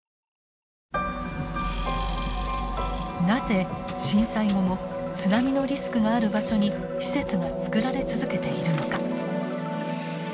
なぜ震災後も津波のリスクがある場所に施設が作られ続けているのか。